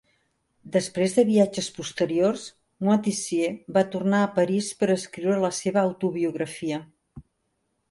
Després de viatges posteriors, Moitessier va tornar a París per escriure la seva autobiografia.